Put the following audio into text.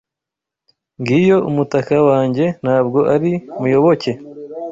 Ngiyo umutaka wanjye, ntabwo ari Muyoboke.